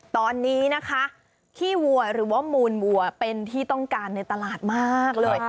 ตอนนี้นะคะขี้วัวหรือว่ามูลวัวเป็นที่ต้องการในตลาดมากเลย